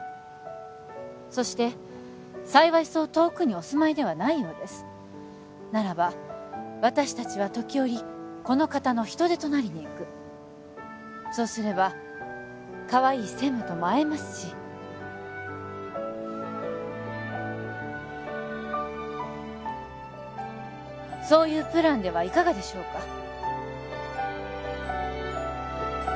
そして幸いそう遠くにお住まいではないようですならば私達は時折この方の人手となりに行くそうすればかわいい専務とも会えますしそういうプランではいかがでしょうか？